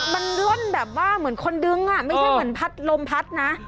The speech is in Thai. มันล่นแบบว่าเหมือนคนดึงอ่ะไม่ใช่เหมือนพัดลมพัดนะ